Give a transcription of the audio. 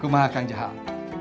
kumaha kang jahal